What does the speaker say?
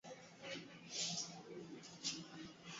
Wilaya ya Maswa na Itilima upande wa kusini